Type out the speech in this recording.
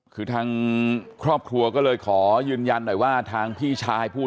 คือทางครอบครัวก็เลยขอยืนยันหน่อยว่าทางพี่ชายพูด